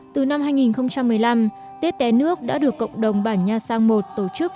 từ năm hai nghìn một mươi năm tết té nước đã được cộng đồng bản nha sang một tổ chức